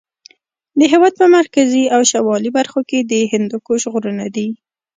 د هېواد په مرکزي او شمالي برخو کې د هندوکش غرونه دي.